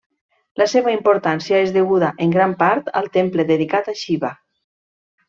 La seva importància és deguda en gran part al temple dedicat a Xiva.